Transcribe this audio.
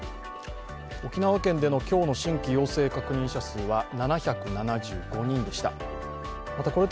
沖縄県での今日の新規陽性確認者数は７７５人でした。